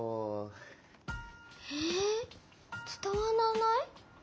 えつたわらない？